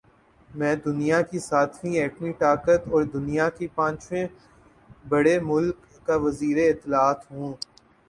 میں دنیا کی ساتویں ایٹمی طاقت اور دنیا کے پانچویں بڑے مُلک کا وزیراطلاعات ہوں